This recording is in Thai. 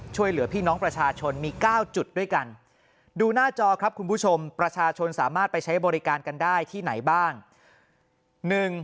ช่วยเหลือพี่น้องประชาชนมี๙จุดด้วยกันดูหน้าจอครับคุณผู้ชมประชาชนสามารถไปใช้บริการกันได้ที่ไหนบ้าง